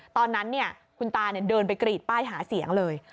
ตอนนั้นคุณตาเดินไปกรีดป้ายหาเสียงเลย